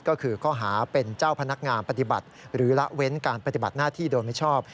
ก็คือข้อหาเป็นเจ้าพนักงานปฏิบัติหรือละเว้นการปฏิบัติหน้าที่โดยมิชอบ